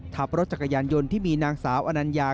ทับรถจักรยานยนต์ที่มีนางสาวอนัญญา